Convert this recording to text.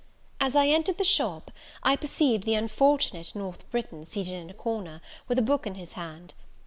As I entered the shop, I perceived the unfortunate North Briton seated in a corner, with a book in his hand.